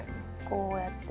こうやって。